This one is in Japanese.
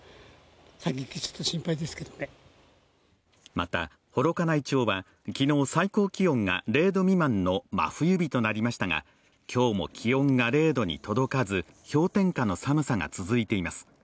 また幌加内町は昨日、最高気温が０度未満の真冬日となりましたが、今日も気温が０度に届かず氷点下の寒さが続いています。